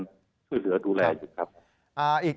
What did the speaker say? ช่วยเหลือดูแลอยู่ครับ